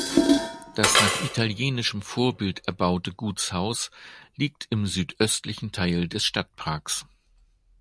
Das nach italienischem Vorbild erbaute Gutshaus liegt im südöstlichen Teil des Stadtparks.